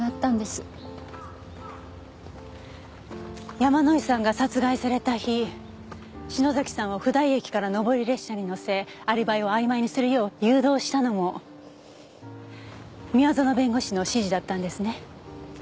山井さんが殺害された日篠崎さんを普代駅から上り列車に乗せアリバイをあいまいにするよう誘導したのも宮園弁護士の指示だったんですね。